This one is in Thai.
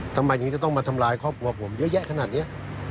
ทำไมยังจะต้องมาทำร้ายครอบครัวผมเยอะแยะขนาดนี้